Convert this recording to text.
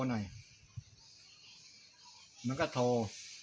มันบอกโทรศัพท์ไม่มีเงินลุงมีโทร